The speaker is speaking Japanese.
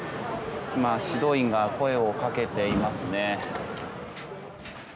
今、指導員が声をかけていますね。